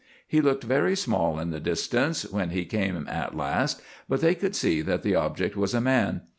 He looked very small in the distance when he came at last, but they could see that the object was a man.